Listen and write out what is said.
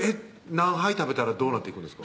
何杯食べたらどうなっていくんですか？